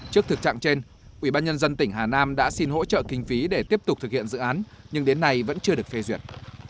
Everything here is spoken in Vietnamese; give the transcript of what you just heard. trước thực trạng trên ủy ban nhân dân tỉnh hà nam đã xin hỗ trợ kinh phí để tiếp tục thực hiện dự án nhưng đến nay vẫn chưa được phê duyệt